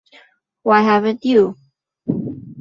Why haven't you?